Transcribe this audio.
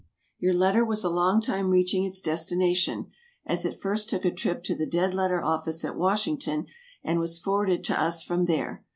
Your letter was a long time reaching its destination, as it first took a trip to the Dead letter Office at Washington, and was forwarded to us from there.